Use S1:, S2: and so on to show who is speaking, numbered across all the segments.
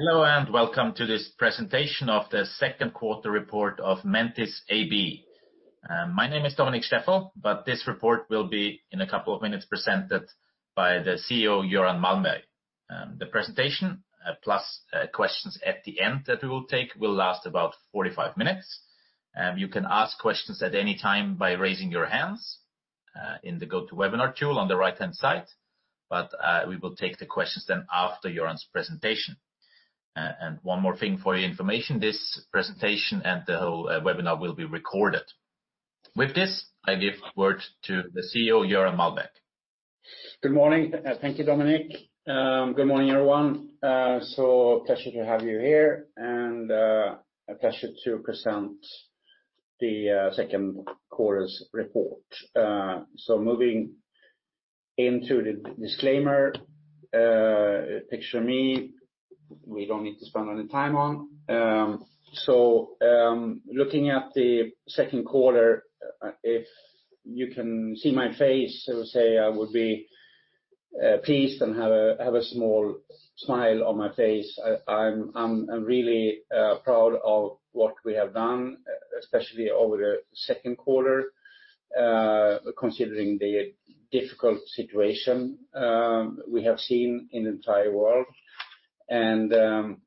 S1: Hello, welcome to this presentation of the second quarter report of Mentice AB. My name is Dominic Steffel, this report will be, in a couple of minutes, presented by the CEO, Göran Malmberg. The presentation, plus questions at the end that we will take, will last about 45 minutes. You can ask questions at any time by raising your hands in the GoToWebinar tool on the right-hand side. We will take the questions then after Göran's presentation. One more thing for your information, this presentation and the whole webinar will be recorded. With this, I give the word to the CEO, Göran Malmberg.
S2: Good morning. Thank you, Dominic. Good morning, everyone. Pleasure to have you here, and a pleasure to present the second quarter's report. Moving into the disclaimer. A picture of me we don't need to spend any time on. Looking at the second quarter, if you can see my face, I would say I would be pleased and have a small smile on my face. I'm really proud of what we have done, especially over the second quarter, considering the difficult situation we have seen in the entire world. I'm going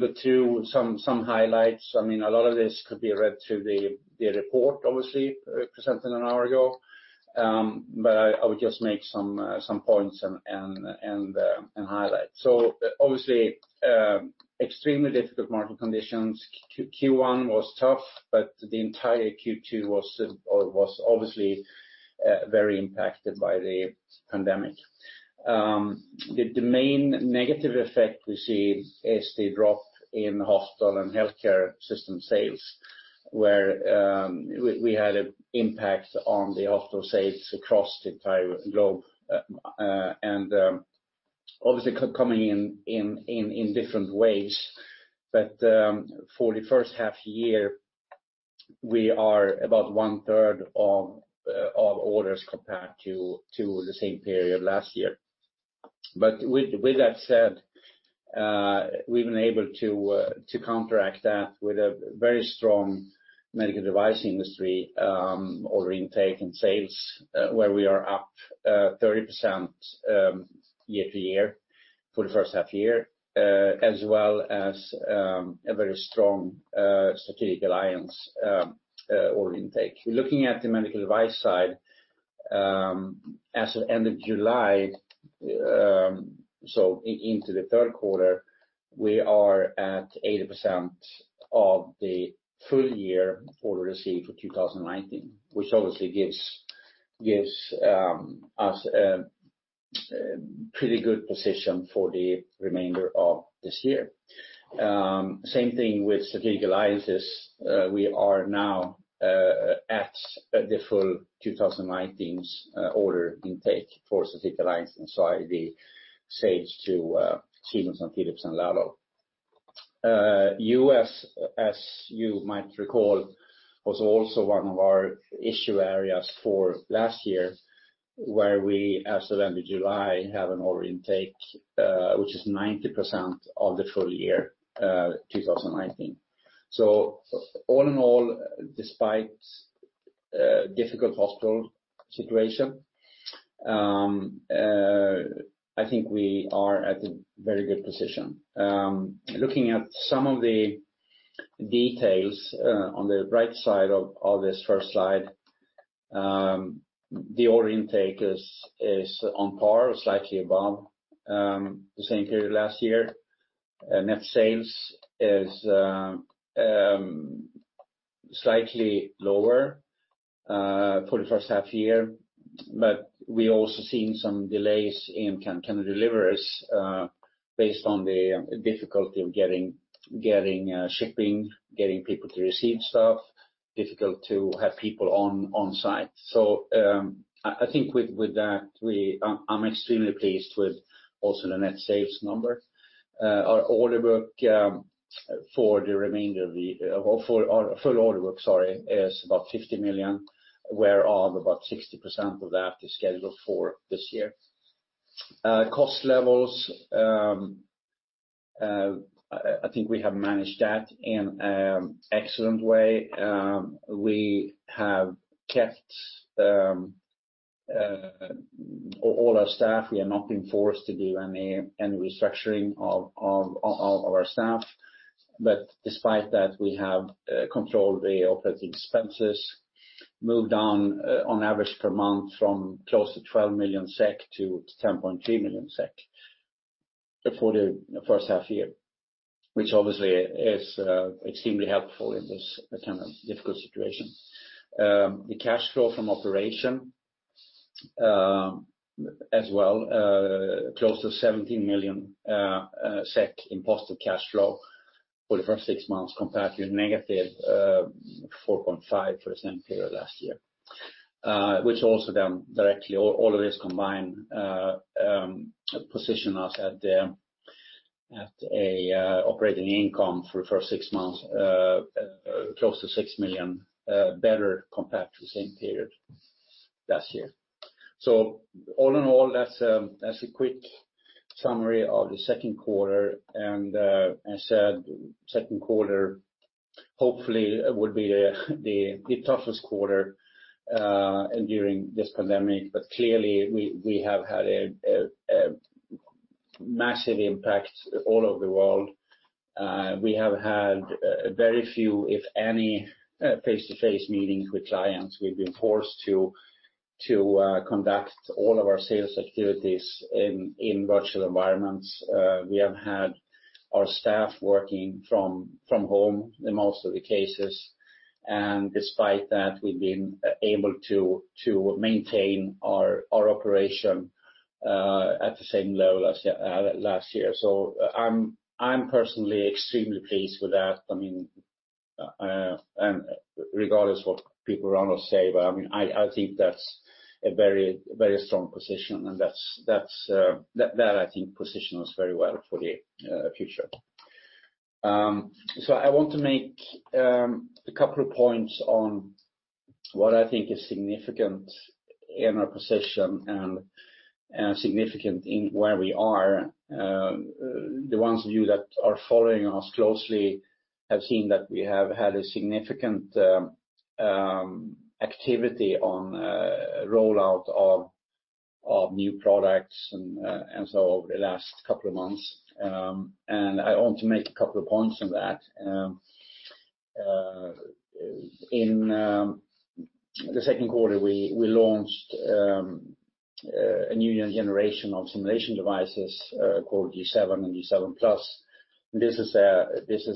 S2: to go through some highlights. A lot of this could be read through the report, obviously, presented an hour ago. I would just make some points and highlight. Obviously, extremely difficult market conditions. Q1 was tough, the entire Q2 was obviously very impacted by the pandemic. The main negative effect we see is the drop in hospital and healthcare system sales, where we had an impact on the hospital sales across the entire globe, obviously coming in different ways. For the first half-year, we are about one-third of orders compared to the same period last year. With that said, we've been able to counteract that with a very strong medical device industry order intake and sales, where we are up 30% year-over-year for the first half-year, as well as a very strong strategic alliance order intake. Looking at the medical device side, as of end of July, so into the third quarter, we are at 80% of the full-year order received for 2019, which obviously gives us a pretty good position for the remainder of this year. Same thing with strategic alliances. We are now at the full 2019's order intake for strategic alliances, so the sales to Siemens and Philips and Laerdal Medical, as you might recall, was also one of our issue areas for last year, where we, as of end of July, have an order intake which is 90% of the full year 2019. All in all, despite a difficult hospital situation, I think we are at a very good position. Looking at some of the details on the right side of this first slide. The order intake is on par or slightly above the same period last year. Net sales is slightly lower for the first half year, but we're also seeing some delays in kind of deliveries based on the difficulty of getting shipping, getting people to receive stuff, difficult to have people on site. I think with that, I'm extremely pleased with also the net sales number. Our full order book is about 50 million, whereof about 60% of that is scheduled for this year. Cost levels, I think we have managed that in excellent way. We have kept all our staff. We have not been forced to do any restructuring of our staff. Despite that, we have controlled the OpEx. Moved on average per month from close to 12 million SEK to 10.3 million SEK for the first half year, which obviously is extremely helpful in this kind of difficult situation. The cash flow from operation as well, close to 17 million SEK in positive cash flow for the first six months, compared to -4.5 million for the same period last year. Which also then directly, all of this combined position us at an operating income for the first six months close to 6 million better compared to the same period last year. All in all, that's a quick summary of the second quarter, As I said, second quarter hopefully would be the toughest quarter during this pandemic. Clearly, we have had a massive impact all over the world. We have had very few, if any, face-to-face meetings with clients. We've been forced to conduct all of our sales activities in virtual environments. We have had our staff working from home in most of the cases. Despite that, we've been able to maintain our operation at the same level as last year. I'm personally extremely pleased with that. Regardless of what people around us say, but I think that's a very strong position, and that I think positions us very well for the future. I want to make a couple of points on what I think is significant in our position and significant in where we are. The ones of you that are following us closely have seen that we have had a significant activity on rollout of new products and so over the last couple of months. I want to make a couple of points on that. In the second quarter, we launched a new generation of simulation devices called G7 and G7+. This is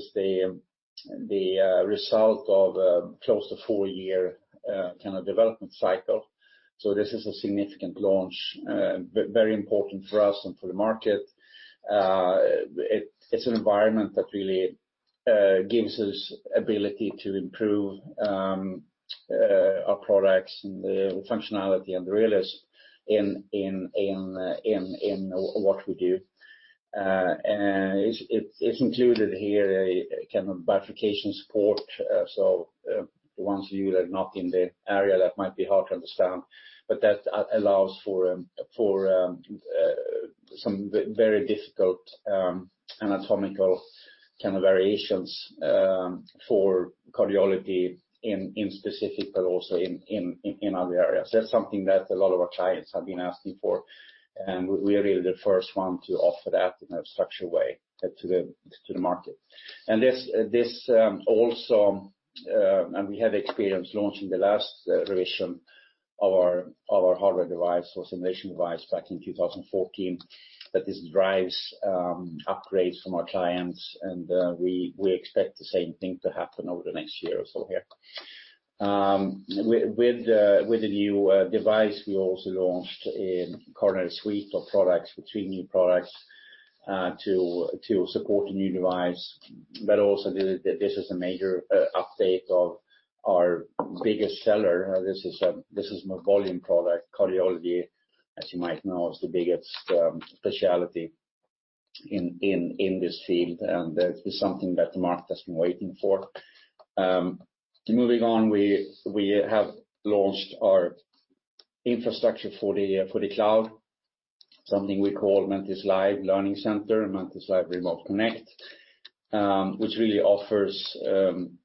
S2: the result of close to four-year development cycle. This is a significant launch. Very important for us and for the market. It's an environment that really gives us ability to improve our products and the functionality and the realism in what we do. It's included here a kind of bifurcation support. The ones of you that are not in the area, that might be hard to understand, but that allows for some very difficult anatomical kind of variations for cardiology in specific, but also in other areas. That's something that a lot of our clients have been asking for, we are really the first one to offer that in a structured way to the market. We have experience launching the last revision of our hardware device or simulation device back in 2014, that this drives upgrades from our clients, we expect the same thing to happen over the next year or so here. With the new device, we also launched a coronary suite of products with three new products to support the new device. Also this is a major update of our biggest seller. This is more volume product. Cardiology, as you might know, is the biggest specialty in this field, and this is something that the market has been waiting for. Moving on, we have launched our infrastructure for the cloud, something we call Mentice Live Learning Center, Mentice Live Remote Connect which really offers an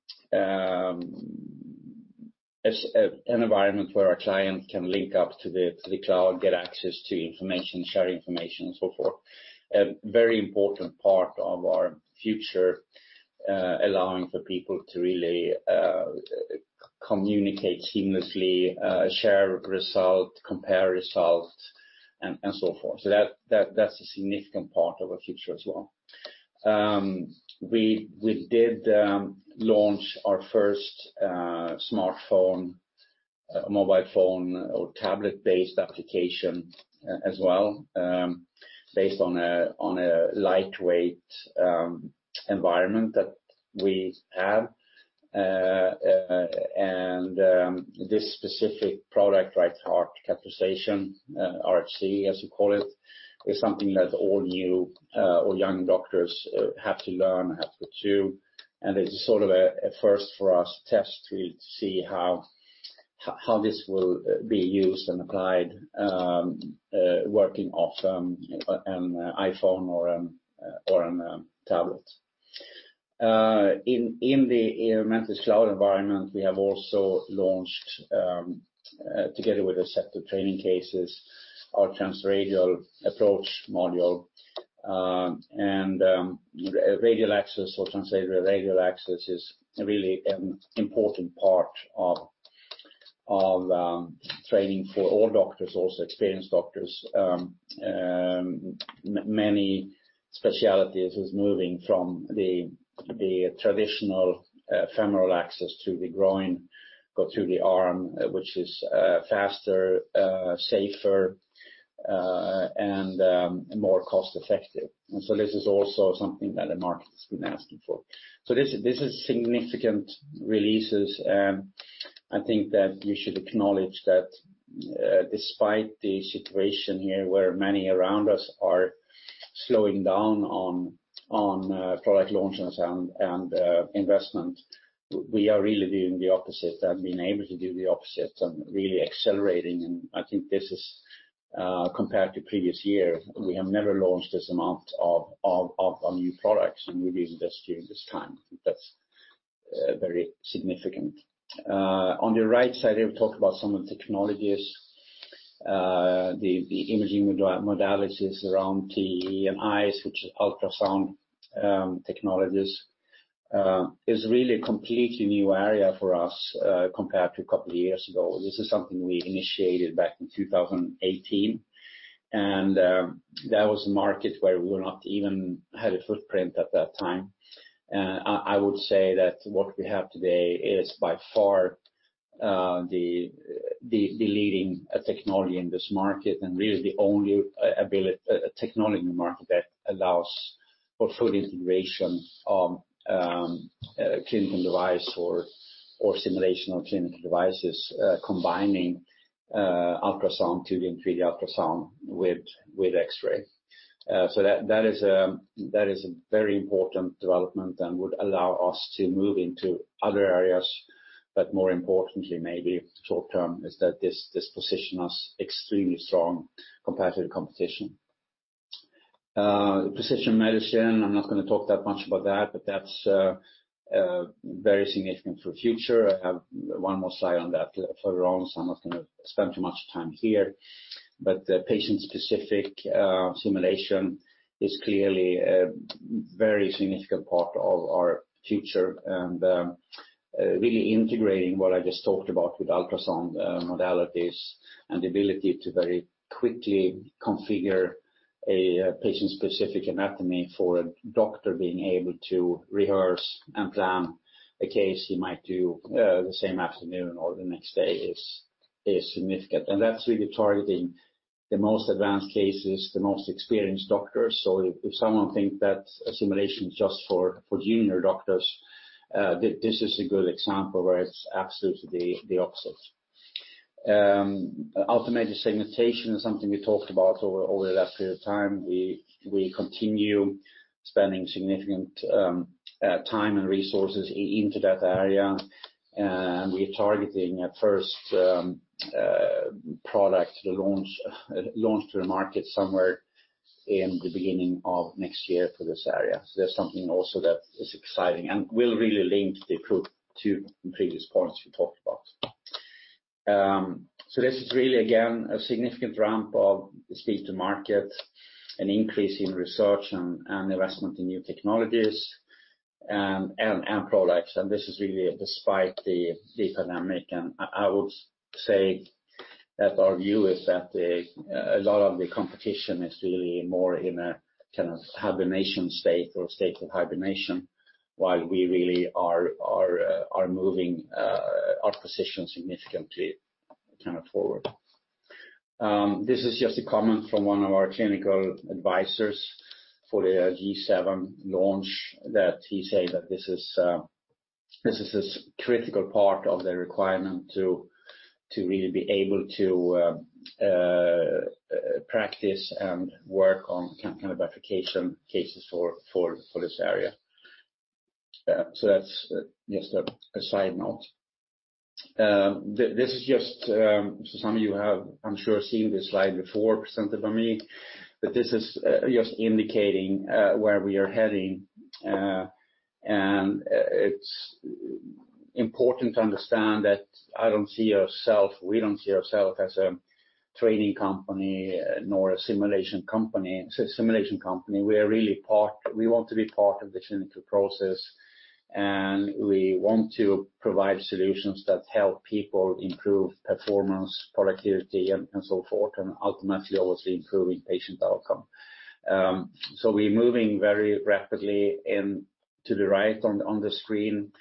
S2: environment where our clients can link up to the cloud, get access to information, share information, and so forth, a very important part of our future allowing for people to really communicate seamlessly, share results, compare results, and so forth. That's a significant part of our future as well. We did launch our first smartphone, mobile phone, or tablet-based application as well based on a lightweight environment that we have. This specific product, Right Heart Catheterization, RHC as you call it, is something that all new or young doctors have to learn, have to [chew], and it's sort of a first for us test to see how this will be used and applied working off an iPhone or on a tablet. In the Mentice cloud environment, we have also launched, together with a set of training cases, our Transradial Approach module, and radial access or transradial access is really an important part of training for all doctors, also experienced doctors. Many specialties is moving from the traditional femoral access through the groin, go through the arm, which is faster, safer, and more cost-effective. This is also something that the market has been asking for. This is significant releases. I think that we should acknowledge that despite the situation here where many around us are slowing down on product launches and investment. We are really doing the opposite and been able to do the opposite and really accelerating. I think this is, compared to previous year, we have never launched this amount of new products and new industry in this time. That's very significant. On the right side, we'll talk about some of the technologies. The imaging modalities around TEE and ICE, which is ultrasound technologies, is really a completely new area for us compared to a couple of years ago. This is something we initiated back in 2018, and that was a market where we were not even had a footprint at that time. I would say that what we have today is by far the leading technology in this market and really the only technology in the market that allows for full integration of clinical device or simulation of clinical devices, combining ultrasound, 2D and 3D ultrasound with X-ray. That is a very important development and would allow us to move into other areas. More importantly, maybe short term, is that this position is extremely strong compared to the competition. Precision medicine, I'm not going to talk that much about that, but that's very significant for the future. I have one more slide on that further on, so I'm not going to spend too much time here. Patient-specific simulation is clearly a very significant part of our future, and really integrating what I just talked about with ultrasound modalities and the ability to very quickly configure a patient-specific anatomy for a doctor being able to rehearse and plan a case he might do the same afternoon or the next day is significant. That's really targeting the most advanced cases, the most experienced doctors. If someone think that simulation is just for junior doctors, this is a good example where it's absolutely the opposite. Automated segmentation is something we talked about over the last period of time. We continue spending significant time and resources into that area. We are targeting a first product launch to the market somewhere in the beginning of next year for this area. That's something also that is exciting and will really link the two previous points we talked about. This is really, again, a significant ramp of speed to market, an increase in research and investment in new technologies and products. This is really despite the pandemic. I would say that our view is that a lot of the competition is really more in a kind of hibernation state or state of hibernation, while we really are moving our position significantly kind of forward. This is just a comment from one of our clinical advisors for the G7 launch, that he say that this is a critical part of the requirement to really be able to practice and work on kind of application cases for this area. That's just a side note. This is just, some of you have, I'm sure, seen this slide before presented by me. This is just indicating where we are heading. It's important to understand that we don't see ourself as a training company nor a simulation company. We want to be part of the clinical process. We want to provide solutions that help people improve performance, productivity, and so forth, and ultimately, obviously, improving patient outcome. We're moving very rapidly in to the right on the screen.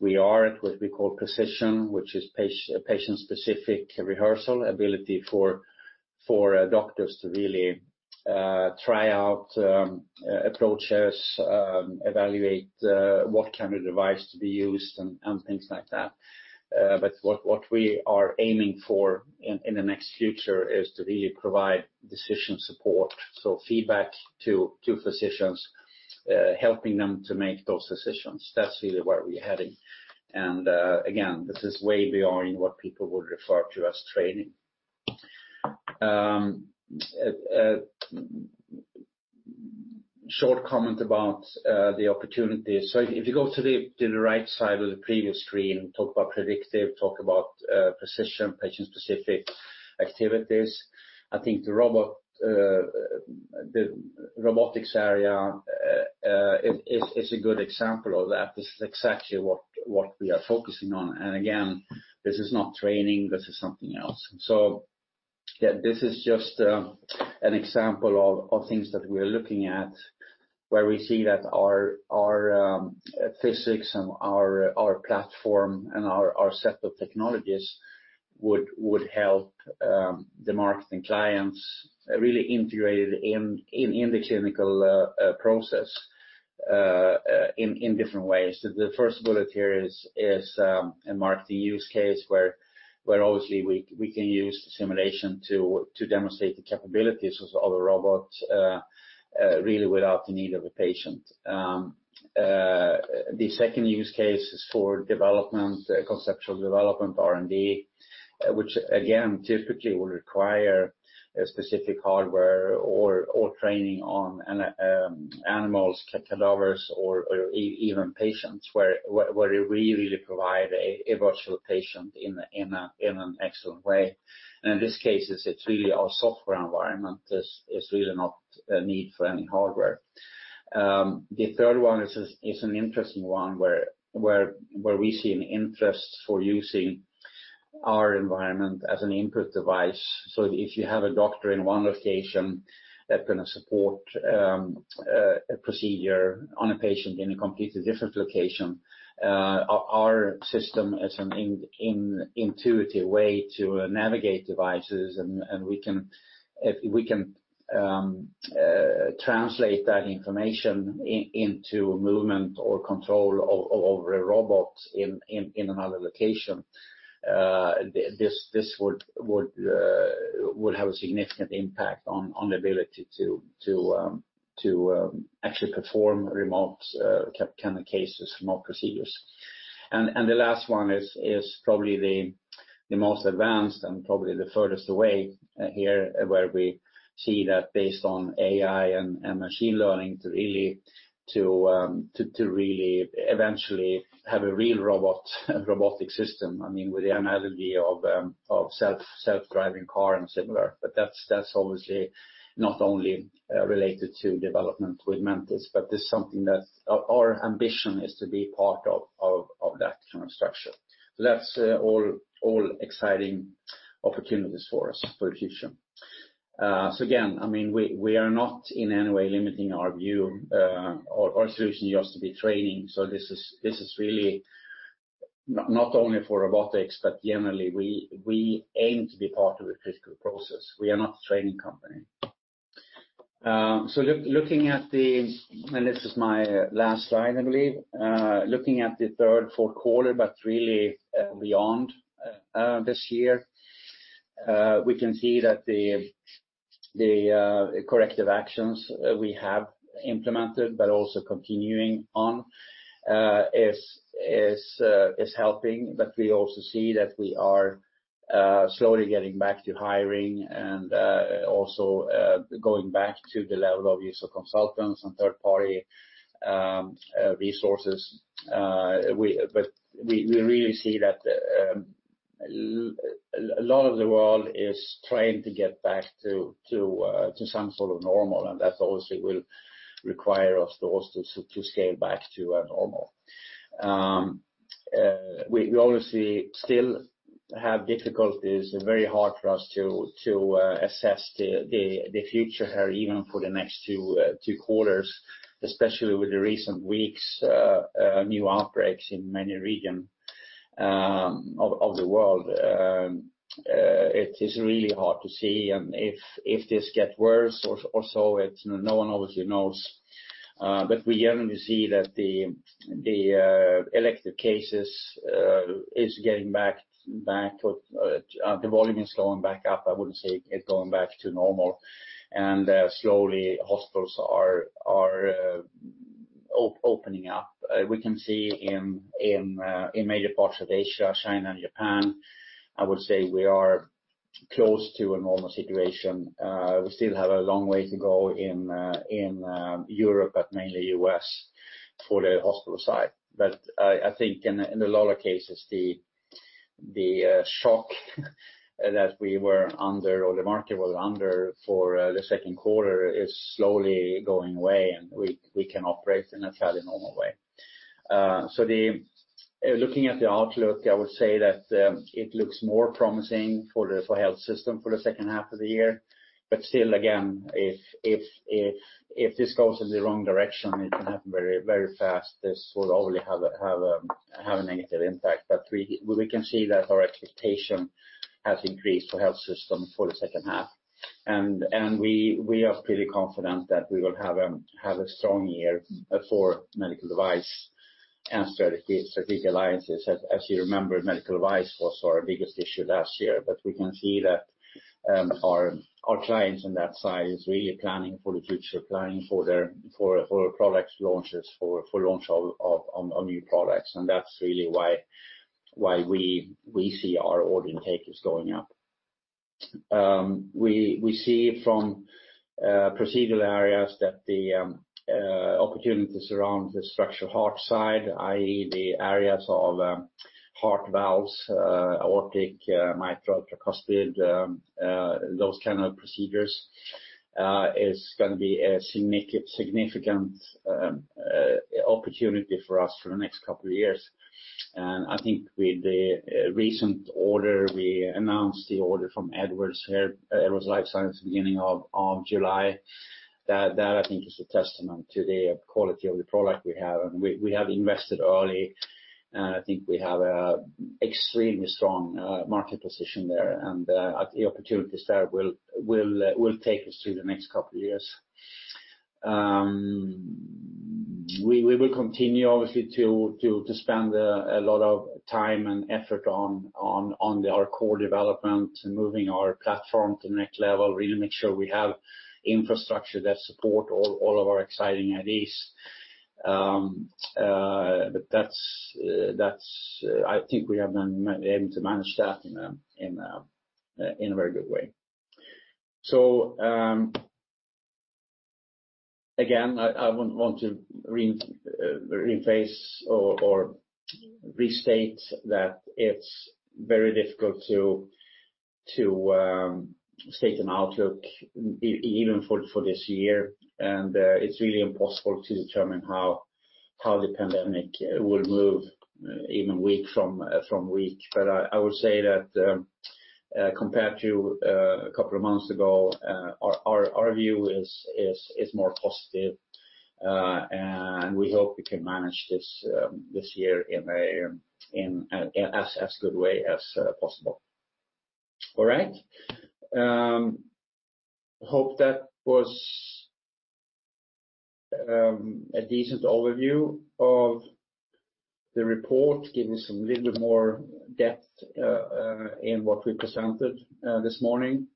S2: We are at what we call precision, which is patient-specific rehearsal ability for doctors to really try out approaches, evaluate what kind of device to be used and things like that. What we are aiming for in the next future is to really provide decision support, feedback to physicians, helping them to make those decisions. That's really where we're heading. Again, this is way beyond what people would refer to as training. A short comment about the opportunities. If you go to the right side of the previous screen, talk about predictive, talk about precision, Patient-specific activities. I think the robotics area is a good example of that. This is exactly what we are focusing on. Again, this is not training, this is something else. Yeah, this is just an example of things that we are looking at where we see that our physics and our platform and our set of technologies would help the marketing clients really integrated in the clinical process in different ways. The first bullet here is a marketing use case where obviously we can use simulation to demonstrate the capabilities of a robot really without the need of a patient. The second use case is for development, conceptual development, R&D, which again, typically will require a specific hardware or training on animals, cadavers, or even patients, where we really provide a virtual patient in an excellent way. In this case, it's really our software environment. There's really not a need for any hardware. The third one is an interesting one, where we see an interest for using our environment as an input device. If you have a doctor in one location that's going to support a procedure on a patient in a completely different location, our system is an intuitive way to navigate devices, and we can translate that information into movement or control of a robot in another location. This would have a significant impact on the ability to actually perform remote kind of cases, remote procedures. The last one is probably the most advanced and probably the furthest away here, where we see that based on AI and machine learning to really eventually have a real robotic system. With the analogy of self-driving car and similar. That's obviously not only related to development with Mentice, but this is something that our ambition is to be part of that kind of structure. That's all exciting opportunities for us for the future. Again, we are not in any way limiting our view. Our solution used to be training. This is really not only for robotics, but generally we aim to be part of the physical process. We are not a training company. This is my last slide, I believe. Looking at the third, fourth quarter, really beyond this year, we can see that the corrective actions we have implemented but also continuing on is helping. We also see that we are slowly getting back to hiring and also going back to the level of use of consultants and third-party resources. We really see that a lot of the world is trying to get back to some sort of normal, and that obviously will require us also to scale back to a normal. We obviously still have difficulties. Very hard for us to assess the future here, even for the next two quarters, especially with the recent weeks, new outbreaks in many region of the world. It is really hard to see. If this gets worse or so, no one obviously knows. We generally see that the elective cases is getting back. The volume is going back up. I wouldn't say it's going back to normal. Slowly, hospitals are opening up. We can see in major parts of Asia, China, and Japan, I would say we are close to a normal situation. We still have a long way to go in Europe, but mainly U.S. for the hospital side. I think in a lot of cases, the shock that we were under or the market was under for the second quarter is slowly going away, and we can operate in a fairly normal way. Looking at the outlook, I would say that it looks more promising for the health system for the second half of the year. Still, again, if this goes in the wrong direction, it can happen very fast. This will only have a negative impact. We can see that our expectation has increased for health system for the second half. We are pretty confident that we will have a strong year for medical device and strategic alliances. As you remember, medical device was our biggest issue last year. We can see that our clients on that side is really planning for the future, planning for products launches, for launch of new products. That's really why we see our order intake is going up. We see from procedural areas that the opportunities around the structural heart side, i.e., the areas of heart valves, aortic, mitral, tricuspid, those kind of procedures, is going to be a significant opportunity for us for the next couple of years. I think with the recent order, we announced the order from Edwards Lifesciences beginning of July. That I think is a testament to the quality of the product we have. We have invested early, and I think we have a extremely strong market position there. The opportunities there will take us through the next couple of years. We will continue, obviously, to spend a lot of time and effort on our core development and moving our platform to the next level, really make sure we have infrastructure that support all of our exciting ideas. I think we have been able to manage that in a very good way. Again, I want to rephrase or restate that it's very difficult to state an outlook even for this year. It's really impossible to determine how the pandemic will move even week from week. I would say that, compared to a couple of months ago, our view is more positive, and we hope we can manage this year in as good way as possible. All right? Hope that was a decent overview of the report, giving some little bit more depth in what we presented this morning.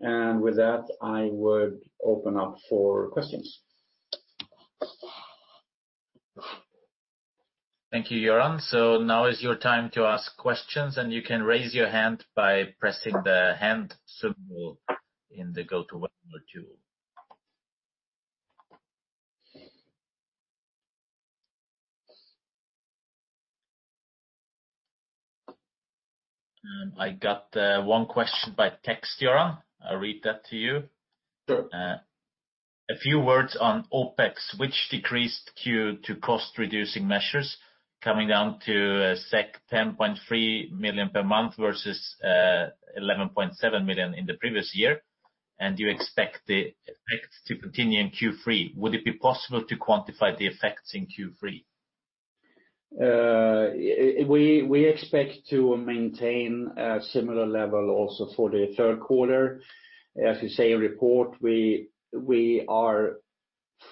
S2: With that, I would open up for questions.
S1: Thank you, Göran. Now is your time to ask questions, you can raise your hand by pressing the hand symbol in the GoToWebinar tool. I got one question by text, Göran. I'll read that to you.
S2: Sure.
S1: A few words on OpEx, which decreased due to cost-reducing measures, coming down to 10.3 million per month versus 11.7 million in the previous year. You expect the effect to continue in Q3. Would it be possible to quantify the effects in Q3?
S2: We expect to maintain a similar level also for the third quarter. As we say in the report, we are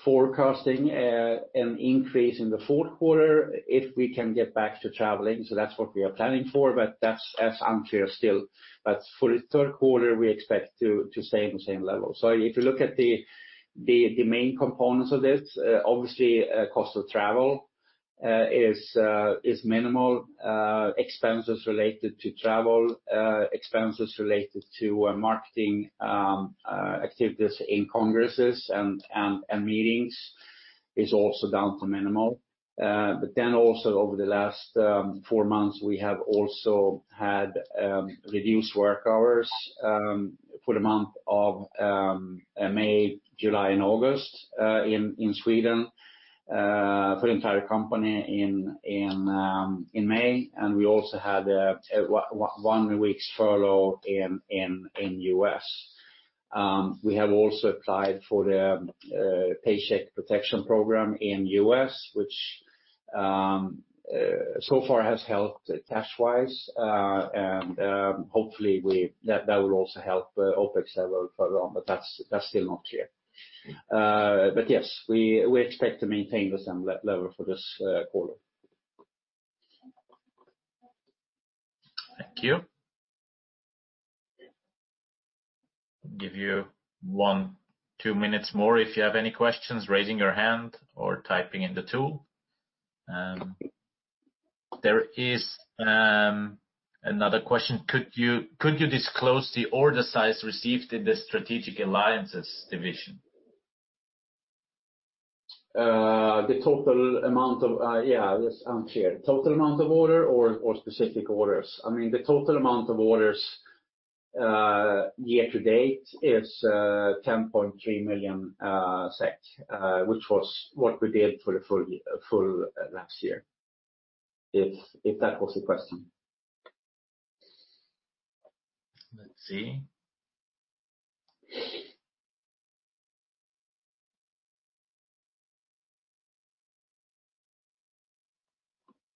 S2: forecasting an increase in the fourth quarter if we can get back to traveling, so that's what we are planning for, but that's unclear still. For the third quarter, we expect to stay in the same level. If you look at the main components of this, obviously, cost of travel is minimal. Expenses related to travel, expenses related to marketing activities in congresses and meetings is also down to minimal. Also over the last four months, we have also had reduced work hours for the month of May, July, and August in Sweden. For the entire company in May. We also had one week's furlough in U.S. We have also applied for the Paycheck Protection Program in U.S., which so far has helped cash-wise. Hopefully, that will also help OpEx level further on, but that's still not clear. Yes, we expect to maintain the same level for this quarter.
S1: Thank you. Give you one, two minutes more if you have any questions, raising your hand or typing in the tool. There is another question. Could you disclose the order size received in the strategic alliances division?
S2: The total amount of Yeah, that's unclear. Total amount of order or specific orders? The total amount of orders year to date is 10.3 million SEK, which was what we did for the full last year. If that was the question.
S1: Let's see.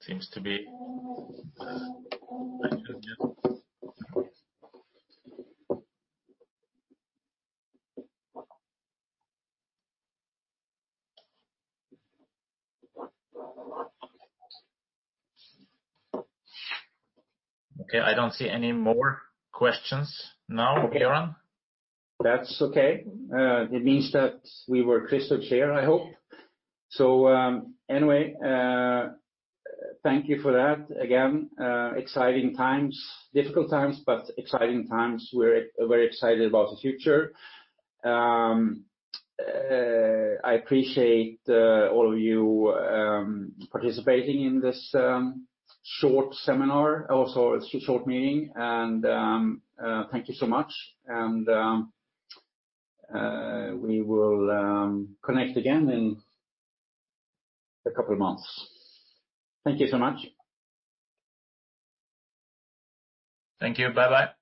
S1: Seems to be. Okay, I don't see any more questions now, Göran. That's okay. It means that we were crystal clear, I hope. Anyway, thank you for that. Again, exciting times. Difficult times, but exciting times. We're very excited about the future. I appreciate all of you participating in this short seminar, also short meeting, and thank you so much. We will connect again in a couple of months. Thank you so much. Thank you. Bye-bye.